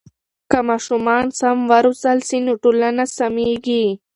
که ماشومان سم و روزل سي نو ټولنه سمیږي.